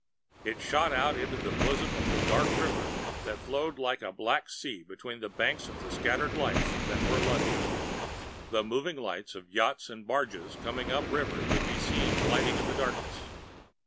It shot out onto the bosom of the dark river that flowed like a black sea between the banks of scattered lights that were London. The moving lights of yachts and barges coming up river could be seen gliding in that darkness.